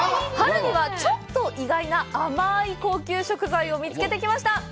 春には、ちょっと意外な甘い高級食材を見つけてきました。